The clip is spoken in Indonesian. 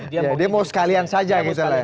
dia mau sekalian saja